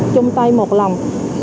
chung tay một lòng